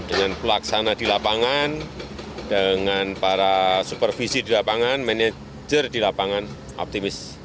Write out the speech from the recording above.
dengan pelaksana di lapangan dengan para supervisi di lapangan manajer di lapangan optimis